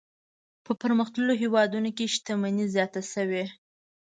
په پرمختللو هېوادونو کې شتمني زیاته شوې.